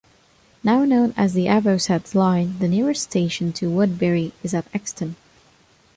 Now known as the Avocet Line, the nearest station to Woodbury is at Exton.